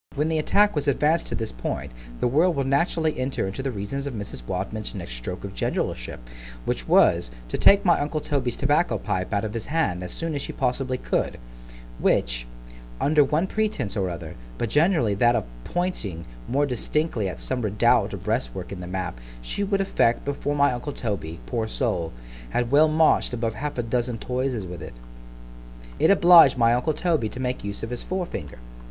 When the attack was advanced to this point;——the world will naturally enter into the reasons of Mrs. Wadman's next stroke of generalship——which was, to take my uncle Toby's tobacco pipe out of his hand as soon as she possibly could; which, under one pretence or other, but generally that of pointing more distinctly at some redoubt or breastwork in the map, she would effect before my uncle Toby (poor soul!) had well march'd above half a dozen toises with it. —It obliged my uncle Toby to make use of his forefinger.